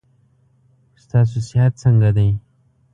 ستاسو صحت څنګه ده.